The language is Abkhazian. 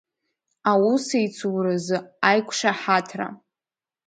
Аусеицуразы аиқәшаҳаҭра…